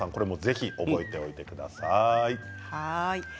覚えておいてください。